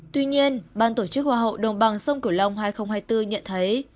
tuy nhiên ban tổ chức hoa hậu đồng bằng sông cửu long hai nghìn hai mươi bốn nhận thấy